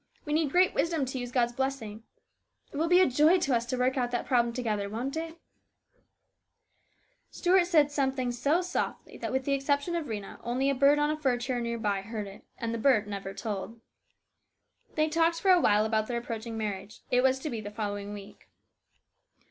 We need great wisdom to use God's blessings. It will be a joy to us to work out the problem together, won't it ?" Stuart said something so softly that, with the exception of Rhena, only a bird on a fir tree near by heard it, and the bird never told. They talked for awhile about their approaching marriage. It was to be the following week.